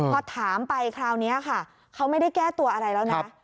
พอถามไปคราวนี้ค่ะเขาไม่ได้แก้ตัวอะไรแล้วนะ